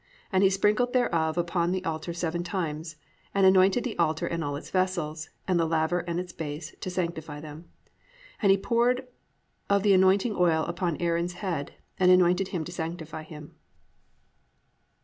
And he sprinkled thereof upon the altar seven times, and anointed the altar and all its vessels, and the laver and its base, to sanctify them. And he poured of the anointing oil upon Aaron's head and anointed him to sanctify him."